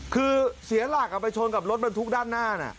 คือเสียหลักเอาไปชนกับรถบรรทุกด้านหน้า